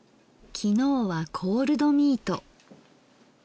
昨日はコールドミート。